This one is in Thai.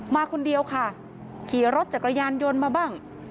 มาคนเดียวค่ะขี่รถจักรยานยนต์มาบ้าง